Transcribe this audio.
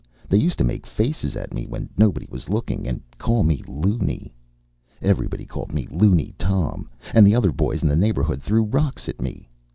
They used to make faces at me when nobody was looking, and call me "Looney." Everybody called me Looney Tom. And the other boys in the neighbourhood threw rocks at me.